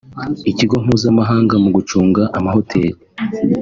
Ikigo mpuzamahanga mu gucunga amahoteli